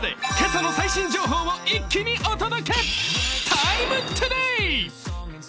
「ＴＩＭＥ，ＴＯＤＡＹ」